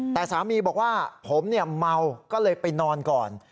แต่สามีบอกว่าผมเมาก็เลยไปนอนก่อน